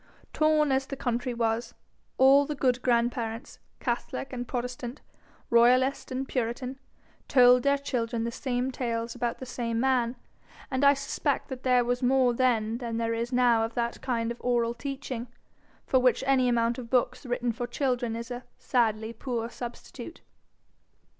Torn as the country was, all the good grandparents, catholic and protestant, royalist and puritan, told their children the same tales about the same man; and I suspect there was more then than there is now of that kind of oral teaching, for which any amount of books written for children is a sadly poor substitute.